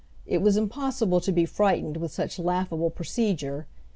It was impossible to be frightened with such laughable procedure.